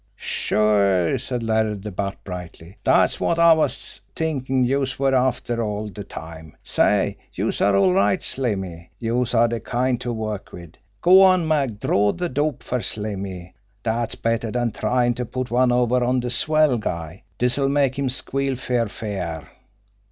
"Sure!" said Larry the Bat brightly. "Dat's wot I was t'inkin' youse were after all de time. Say, youse are all right, Slimmy! Youse are de kind to work wid! Go on, Mag, draw de dope fer Slimmy. Dat's better dan tryin' to put one over on de swell guy. Dis'll make him squeal fer fair!"